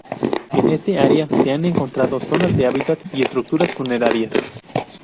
En este área se han encontrado zonas de hábitat y estructuras funerarias.